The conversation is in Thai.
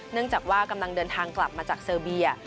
เนื่องจากว่ากำลังเดินทางกลับมาจากเซอร์เบีย